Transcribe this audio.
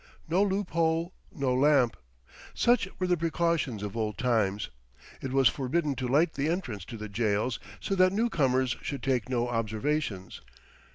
No loophole, no lamp. Such were the precautions of old times. It was forbidden to light the entrance to the jails, so that the newcomers should take no observations.